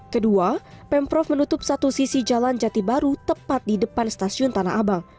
kedua pemprov menutup satu sisi jalan jati baru tepat di depan stasiun tanah abang